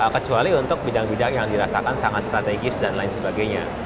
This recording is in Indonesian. kecuali untuk bidang bidang yang dirasakan sangat strategis dan lain sebagainya